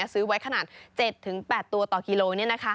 ซื้อไว้ขนาด๗๘ตัวต่อกิโล